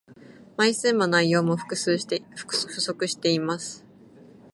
枚数も内容も不足しています